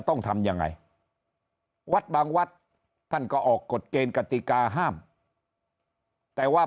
ต้องทำยังไงวัดบางวัดท่านก็ออกกฎเกณฑ์กติกาห้ามแต่ว่า